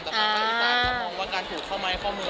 แต่ภายในภาพเขามองว่าการปลูกข้อมัยข้อมือ